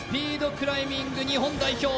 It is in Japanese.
クライミング日本代表